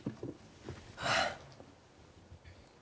はあ。